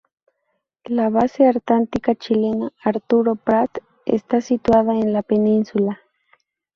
La base antártica chilena Arturo Prat está situada en la península.